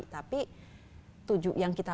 tapi yang kita